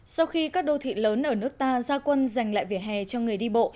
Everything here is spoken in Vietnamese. sau khi các đô thị lớn ở nước ta ra quân giành lại vỉa hè cho người đi bộ